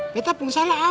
kita pun salah apa